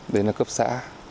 đấy là cấp xã